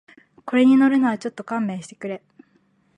これに乗るのはちょっと勘弁してくれ